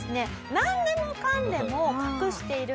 なんでもかんでも隠している中